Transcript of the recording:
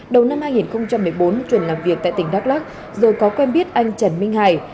đầu năm hai nghìn một mươi bốn chuẩn làm việc tại tỉnh đắk lắc rồi có quen biết anh trần minh hải